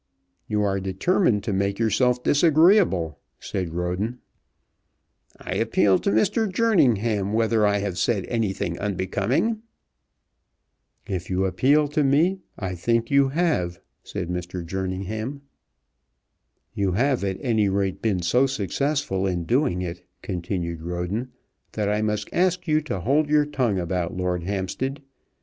"You are determined to make yourself disagreeable," said Roden. "I appeal to Mr. Jerningham whether I have said anything unbecoming." "If you appeal to me, I think you have," said Mr. Jerningham. "You have, at any rate, been so successful in doing it," continued Roden, "that I must ask you to hold your tongue about Lord Hampstead.